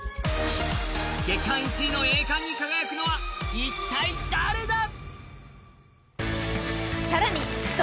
月間１位の栄冠に輝くのは一体誰だ？